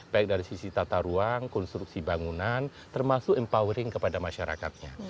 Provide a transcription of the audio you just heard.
baik dari sisi tata ruang konstruksi bangunan termasuk empowering kepada masyarakatnya